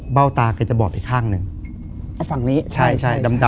คือก่อนอื่นพี่แจ็คผมได้ตั้งชื่อเอาไว้ชื่อว่าย่าเผา